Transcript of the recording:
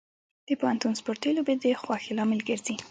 د پوهنتون سپورتي لوبې د خوښۍ لامل ګرځي.